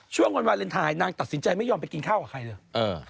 ช่วงวันวาเลนไทยนางตัดสินใจไม่ยอมไปกินข้าวกับใครเลย